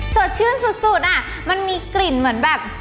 สดชื่นสุดอ่ะมันมีกลิ่นเหมือนแบบ